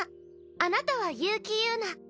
あなたは結城友奈。